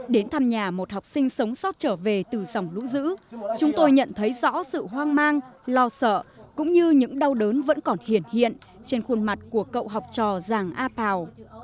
đến thăm nhà một học sinh sống sót trở về từ dòng lũ dữ chúng tôi nhận thấy rõ sự hoang mang lo sợ cũng như những đau đớn vẫn còn hiện hiện trên khuôn mặt của cậu học trò giàng a pào